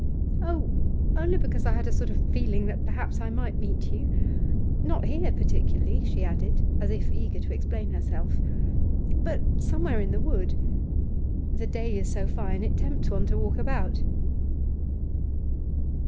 'Oh, only because I had a sort of feeling that perhaps I might meet you. Not here, particularly,' she added, as if eager to explain herself, 'but somewhere in the wood. The day is so fine; it tempts one to walk about.